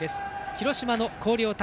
広島の広陵対